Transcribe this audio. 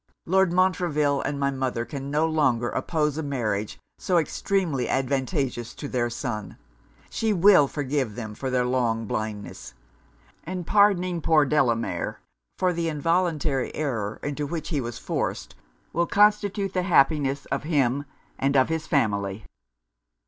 Lord Montreville and my mother can no longer oppose a marriage so extremely advantageous to their son. She will forgive them for their long blindness; and pardoning poor Delamere for the involuntary error into which he was forced, will constitute the happiness of him and of his family.'